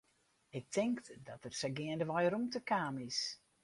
Ik tink dat der sa geandewei rûmte kaam is.